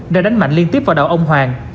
để đánh mạnh liên tiếp vào đạo ông hoàng